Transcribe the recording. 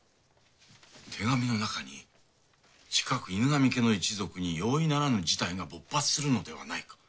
手紙の中に近く犬神家の一族に容易ならぬ事態が勃発するのではないか？